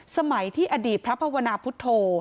สมัยที่อดีตพระภาวนาพุทธโธ